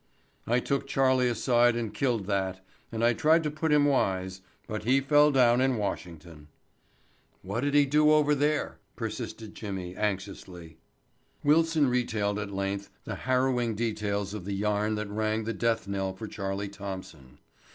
I took Charlie aside and killed that, and I tried to put him wise, but he fell down in Washington." "What'd he do over there?" persisted Jimmy anxiously. Wilson retailed at length the harrowing details of the yarn that rang the death knell for Charlie Thompson.